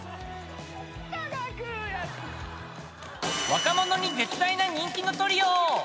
［若者に絶大な人気のトリオ］